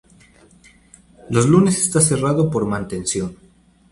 Los lunes está cerrado por mantención.